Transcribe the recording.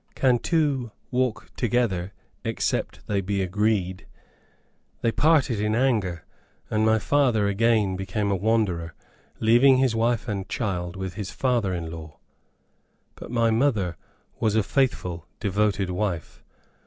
"Can two walk together except they be agreed?" They parted in anger, and my father again became a wanderer, leaving his wife and child with his father in law. But my mother was a faithful, devoted wife.